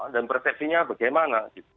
dan persepsinya bagaimana